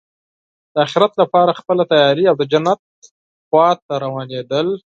د اخرت لپاره خپله تیاری او د جنت لور ته روانېدل.